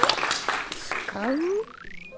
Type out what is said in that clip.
つかう？